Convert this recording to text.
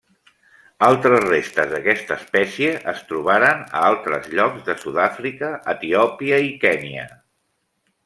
Altres restes d'aquesta espècie es trobaren a altres llocs de Sud-àfrica, Etiòpia i Kenya.